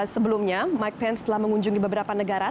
sebelumnya mike pence telah mengunjungi beberapa negara